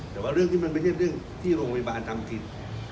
แต่ว่าเรื่องที่มันไม่ใช่เรื่องที่โรงพยาบาลทำผิด